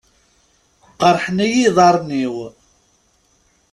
Qerrḥen-iyi iḍarren-iw.